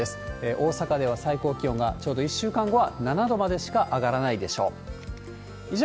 大阪では最高気温が、ちょうど１週間後は７度までしか上がらないでしょう。